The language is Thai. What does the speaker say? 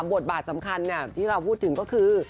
บทบาทสำคัญที่เราพูดถึงก็คือ